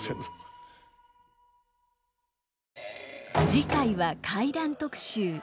次回は怪談特集。